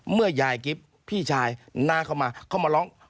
เมื่อยายกิ๊บพี่ชายน้าเข้ามาเขามาร้อง